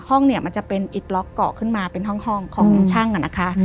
ห้องเนี่ยมันจะเป็นอิดล็อกเกาะขึ้นมาเป็นห้องของช่างอะนะคะ